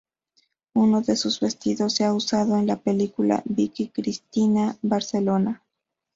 Uno de sus vestidos se ha usado en la película "Vicky Cristina Barcelona".